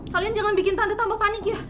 kalian jangan bikin tante tambah panik ya